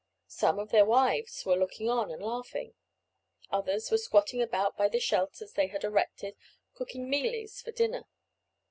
Some of their wives were looking on and laughing; others were squatting about by the shelters they had erected, cooking mealies for dinner.